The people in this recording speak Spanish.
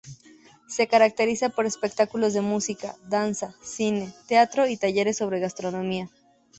Se caracteriza por espectáculos de música, danza, cine, teatro y talleres sobre gastronomía.